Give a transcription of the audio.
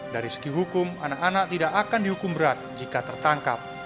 dari segi hukum anak anak tidak akan dihukum berat jika tertangkap